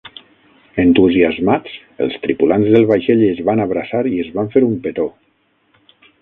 Entusiasmats, els tripulants del vaixell es van abraçar i es van fer un petó.